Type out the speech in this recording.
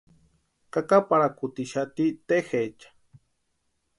Kakaparhakutixati tejecha.